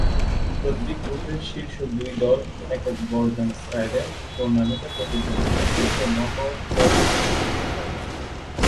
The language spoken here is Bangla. প্রতিটি গ্রুপের শীর্ষ দুই দল একক-বর্জন স্টাইলে টুর্নামেন্টে প্রতিদ্বন্দ্বিতা করতে নকআউট পর্বের দিকে এগিয়ে যাবে।